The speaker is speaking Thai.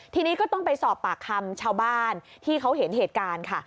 ทีนี้ก็ต้องไปสอบปากคำชาวบ้านที่เขาเห็นเหตุการณ์ค่ะ